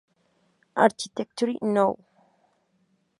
Architecture now!